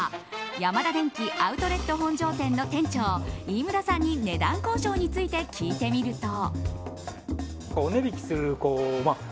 ヤマダデンキアウトレット本庄店の店長・飯村さんに値段交渉について聞いてみると。